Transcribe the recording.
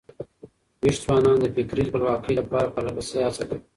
ويښ ځوانان د فکري خپلواکۍ لپاره پرله پسې هڅه کوي.